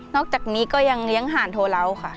อกจากนี้ก็ยังเลี้ยงห่านโทเหลาค่ะ